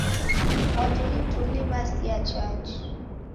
Mwatulituli w'asia chaji.